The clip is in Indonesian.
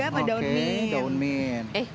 apa daun mint